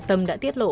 tâm đã tiết lộ